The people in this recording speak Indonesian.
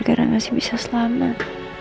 karena masih bisa selamat